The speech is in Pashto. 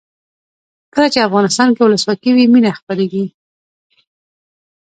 کله چې افغانستان کې ولسواکي وي مینه خپریږي.